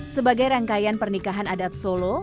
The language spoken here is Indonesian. sebagai rangkaian pernikahan adat solo